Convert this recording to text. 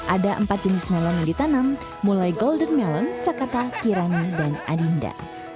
ada empat jenis melon yang ditanam mulai golden melon sakata kirami dan adinda